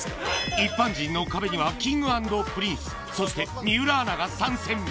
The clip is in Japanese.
一般人の壁にはＫｉｎｇ＆Ｐｒｉｎｃｅ、そして水卜アナが参戦。